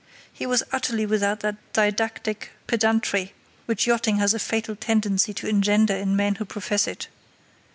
He was utterly without that didactic pedantry which yachting has a fatal tendency to engender in men who profess it.